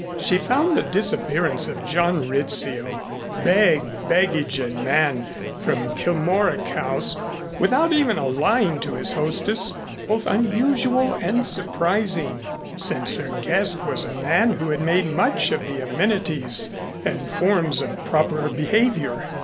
She found the disappearance of John Rizzio, bag, baggage and man, from Kilmorack House without even a line to his hostess both unusual and surprising, since her guest was a man who made much of the amenities and forms of proper behavior.